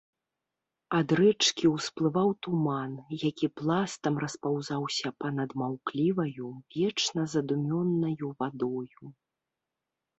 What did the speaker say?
Ад рэчкі ўсплываў туман, які пластам распаўзаўся па-над маўкліваю, вечна задумёнаю вадою.